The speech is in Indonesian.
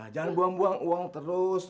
jangan buang buang uang terus